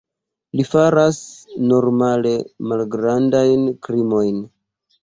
Li faras normale malgrandajn krimojn.